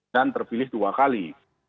dan terpilih dua kali